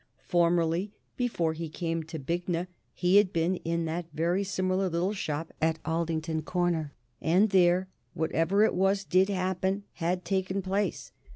Formerly, before he came to Bignor, he had been in that very similar little shop at Aldington Corner, and there whatever it was did happen had taken place.